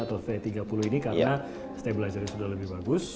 karena stabilisasi sudah lebih bagus